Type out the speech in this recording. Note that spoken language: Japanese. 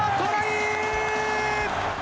トライ！